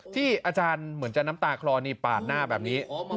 ที่อาจารย์เหมือนจะน้ำตาคลอนี่ปาดหน้าแบบนี้